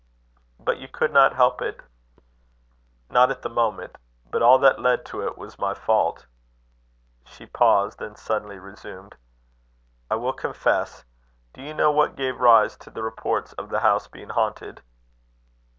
"But you could not help it." "Not at the moment. But all that led to it was my fault." She paused; then suddenly resumed: "I will confess. Do you know what gave rise to the reports of the house being haunted?"